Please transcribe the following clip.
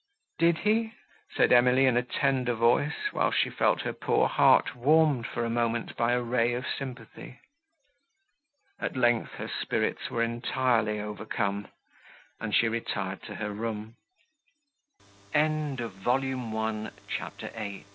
"Did he?" said Emily, in a tender voice, while she felt her poor heart warmed for a moment by a ray of sympathy. At length, her spirits were entirely overcome, and she retired to her room. CHAPTER IX Can Music's voic